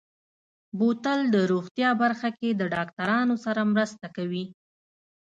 بوتل د روغتیا برخه کې د ډاکترانو سره مرسته کوي.